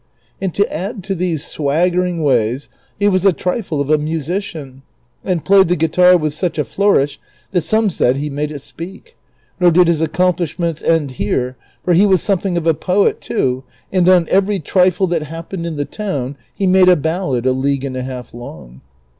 And to add to these swaggerino; ways he was a trifle of a musician, and played the guitar with such a flourish that some said he made it speak ; nor did his accomplislmients end here, for he was something of a ))oet too, and on every trifle that hapjiened in the town he made a ballad a league and a half long.